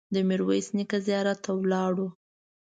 د میرویس نیکه زیارت ته ولاړو.